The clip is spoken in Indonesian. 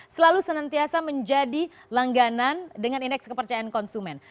selalu senantiasa menjadi langganan dengan indeks kepercayaan konsumen